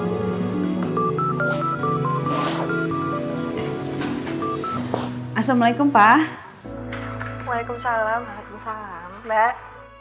loh mama sama papa lagi ada di harapan kasih